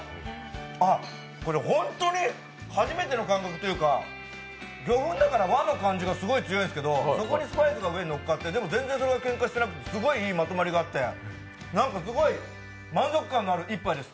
あっ、これホントに初めての感覚というか魚粉だから和の感じが強いですけどそこにスパイスが上にのっかってでもそれが全然けんかしてなくてすごい、いいまとまりがあってなんかすごい満足感がある一杯です。